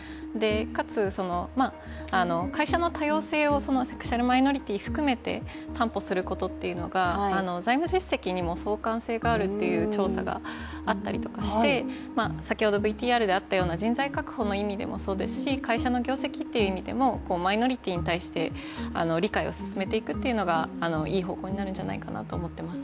かつ会社の多様性をセクシャルマイノリティー含めて担保することっていうのが、財務実績にも相関性があるっていう調査があったりして、人材確保の意味でもそうですし会社の業績という意味でも、マイノリティーに関して理解を進めていくっていうのがいい方向になるんじゃないかなと思ってます。